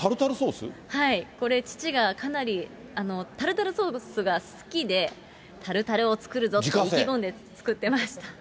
はい、これ、父がかなり、タルタルソースが好きで、タルタルを作るぞって意気込んで作ってました。